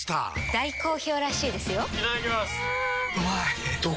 大好評らしいですよんうまい！